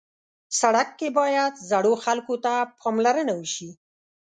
سړک کې باید زړو خلکو ته پاملرنه وشي.